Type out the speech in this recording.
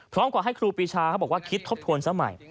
พร้อมกว่าให้ครูปีชาเขาบอกว่าคิดทบทวนสมัย